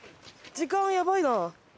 時間やばいな。